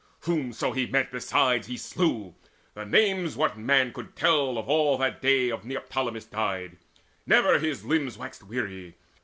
Whomso he met besides he slew the names What man could tell of all that by the hands Of Neoptolemus died? Never his limbs Waxed weary.